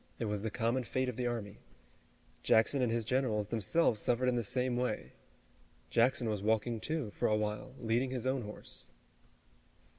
It was the common fate of the army. Jackson and his generals, themselves, suffered in the same way. Jackson was walking, too, for a while, leading his own horse.